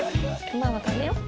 今は食べよう。